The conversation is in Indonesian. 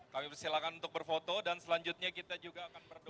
kami persilakan untuk berfoto dan selanjutnya kita juga akan berdoa